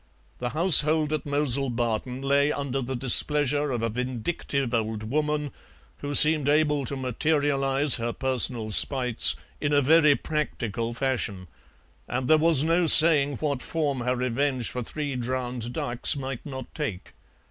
The household at Mowsle Barton lay under the displeasure of a vindictive old woman who seemed able to materialize her personal spites in a very practical fashion, and there was no saying what form her revenge for three drowned ducks might not take.